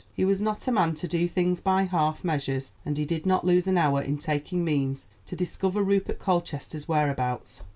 He was not a man to do things by half measures, and he did not lose an hour in taking means to discover Rupert Colchester's whereabouts.